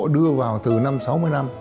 đưa vào từ năm sáu mươi năm